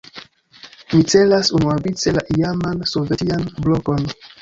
Mi celas unuavice la iaman sovetian "blokon".